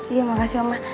iya makasih oma